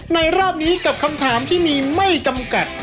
รอบนี้กับคำถามที่มีไม่จำกัด